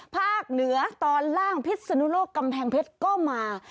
ภาคเหนือตอนล่างพิษนุโลกกำแพงเพชรก็มา